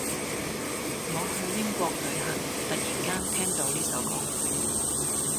我去英國旅行突然間聽到呢首歌